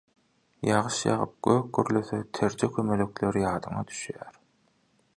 Ýagyş ýagyp gök gürlese terje kömelekler ýadyňa düşýar.